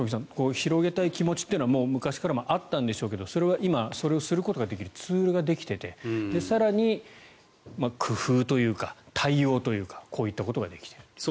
広げたい気持ちというのは昔からもあったんでしょうけど今、それをすることができるツールができていて更に、工夫というか対応というかこういったことができると。